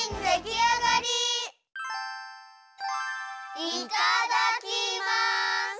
いただきます！